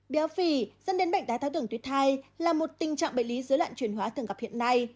béo phì dân đến bệnh đai tháo đường tuyết thai là một tình trạng bệnh lý dưới loạn chuyển hóa thường gặp hiện nay